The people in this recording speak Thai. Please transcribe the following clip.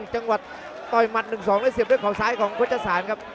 จังหวัดต่อยหมัด๑๒แล้วเสียบด้วยเขาซ้ายของเพชรศาลครับ